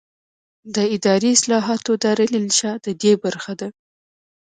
د اداري اصلاحاتو دارالانشا ددې برخه ده.